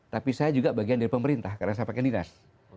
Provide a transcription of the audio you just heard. tapi saya juga bagian dari pemerintah karena saya pakai dinas